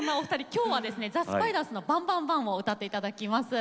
今日はザ・スパイダースの「バン・バン・バン」を歌って頂きます。